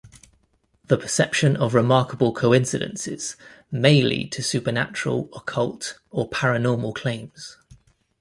The perception of remarkable coincidences may lead to supernatural, occult, or paranormal claims.